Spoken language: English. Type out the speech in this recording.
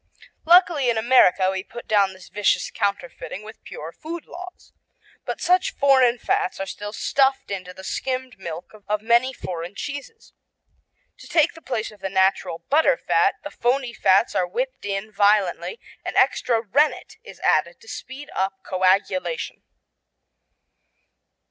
Luckily in America we put down this vicious counterfeiting with pure food laws. But such foreign fats are still stuffed into the skimmed milk of many foreign cheeses. To take the place of the natural butterfat the phony fats are whipped in violently and extra rennet is added to speed up coagulation.